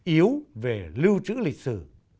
yếu về lưu trữ lịch sử